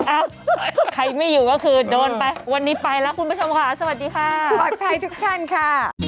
อ้าวใครไม่อยู่ก็คือโดนไปวันนี้ไปแล้วคุณผู้ชมค่ะสวัสดีค่ะปลอดภัยทุกท่านค่ะ